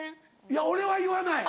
いや俺は言わない。